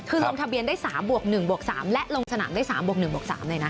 คือลงทะเบียนได้๓บวก๑บวก๓และลงสนามได้๓บวก๑บวก๓เลยนะ